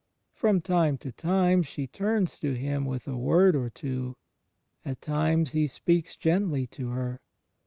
From time to time she turns to Him with a word or two; at times He speaks gently to her.